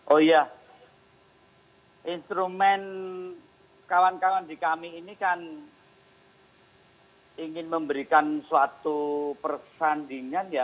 oh iya instrumen kawan kawan di kami ini kan ingin memberikan suatu persandingan ya